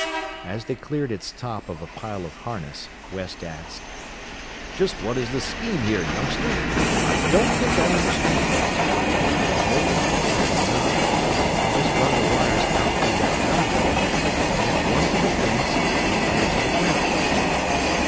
As they cleared its top of a pile of harness West asked, "Just what is the scheme here, youngster? I don't think I understand it." "Oh, simple enough. I'll just run the wires out through that knot hole, and connect one to the fence and the other to the ground."